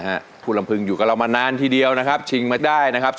ฮะคุณลำพึงอยู่กับเรามานานทีเดียวนะครับชิงมาได้นะครับ